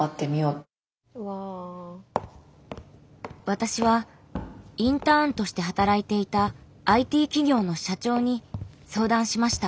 私はインターンとして働いていたＩＴ企業の社長に相談しました。